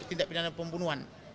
tindak pidana pembunuhan